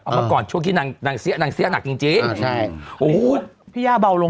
เมื่อก่อนช่วงที่นางนางเสี้ยนางเสี้ยหนักจริงจริงใช่โอ้โหพี่ย่าเบาลง